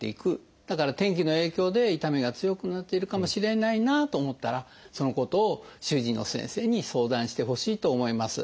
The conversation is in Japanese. だから天気の影響で痛みが強くなってるかもしれないなと思ったらそのことを主治医の先生に相談してほしいと思います。